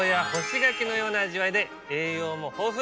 栄養も豊富。